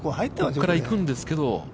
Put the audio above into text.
ここから行くんですけど。